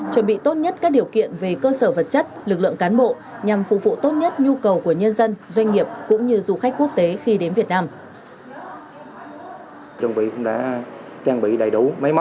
chuẩn bị tốt nhất các điều kiện về cơ sở vật chất lực lượng cán bộ nhằm phục vụ tốt nhất nhu cầu của nhân dân doanh nghiệp cũng như du khách quốc tế khi đến việt nam